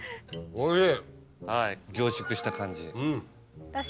おいしい。